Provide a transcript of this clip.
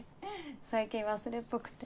最近忘れっぽくて。